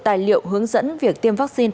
tài liệu hướng dẫn việc tiêm vaccine